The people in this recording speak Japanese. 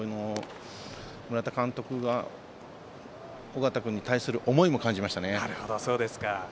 村田監督が緒方君に対する思いも感じましたね。